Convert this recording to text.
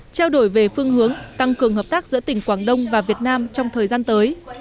trao đổi về phương hướng tăng cường hợp tác giữa tỉnh quảng đông và việt nam trong thời gian tới